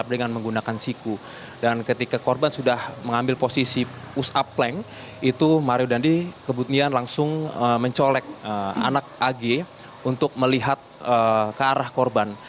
dan ketika korban sudah mengambil posisi push up plank itu mario dandisatrio kebetulan langsung mencolek anak ag untuk melihat ke arah korban